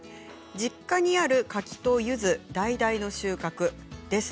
実家にある柿とゆずだいだいの収穫です。